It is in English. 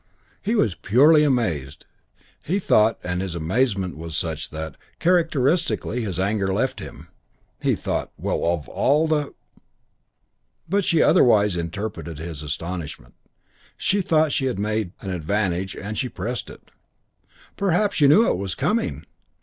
He was purely amazed. He thought, and his amazement was such that, characteristically, his anger left him; he thought, "Well, of all the !" But she otherwise interpreted his astonishment. She thought she had made an advantage and she pressed it. "Perhaps you knew it was coming?"